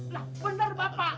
lah benar bapak